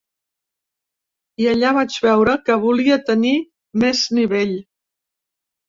I allà vaig veure que volia tenir més nivell.